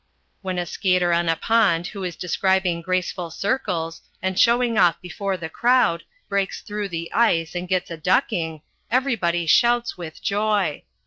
When a skater on a pond who is describing graceful circles, and showing off before the crowd, breaks through the ice and gets a ducking, everybody shouts with joy.